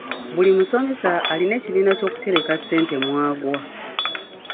Buli musomesa alina ekibiina ky'okutereka ssente mw'agwa.